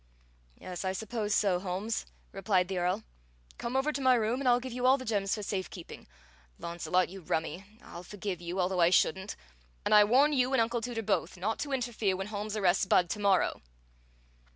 "Yes, I suppose so, Holmes," replied the Earl. "Come over to my room and I'll give you all the gems for safe keeping. Launcelot, you rummie, I'll forgive you, although I shouldn't; and I warn you and Uncle Tooter both not to interfere when Holmes arrests Budd to morrow."